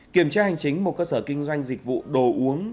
kiểm tra hành chính một cơ sở kinh doanh dịch vụ đồ uống